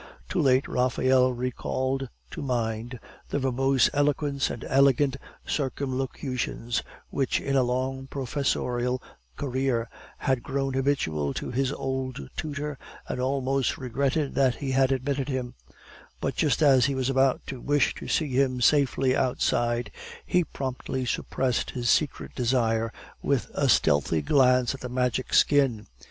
Too late Raphael recalled to mind the verbose eloquence and elegant circumlocutions which in a long professorial career had grown habitual to his old tutor, and almost regretted that he had admitted him; but just as he was about to wish to see him safely outside, he promptly suppressed his secret desire with a stealthy glance at the Magic Skin.